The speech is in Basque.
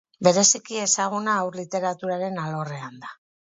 Bereziki ezaguna haur literaturaren alorrean da.